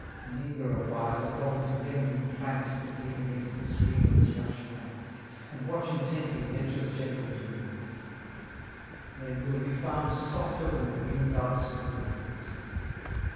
Linger awhile upon some bending planks That lean against a streamlet's rushy banks, And watch intently Nature's gentle doings: They will be found softer than ring dove's cooings.